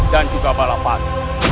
dan juga balapan